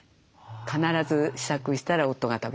必ず試作したら夫が食べる。